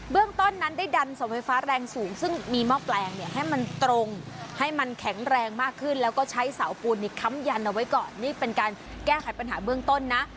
เรื่องต้นนั้นได้ดันเสาไฟฟ้าแรงสูงซึ่งมีหม้อแปลงเนี่ยให้มันตรงให้มันแข็งแรงมากขึ้นแล้วก็ใช้เสาปูนค้ำยันเอาไว้ก่อนนี่เป็นการแก้ไขปัญหาเบื้องต้นนะ